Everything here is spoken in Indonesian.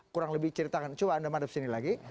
kurang lebih ceritakan coba anda madap sini lagi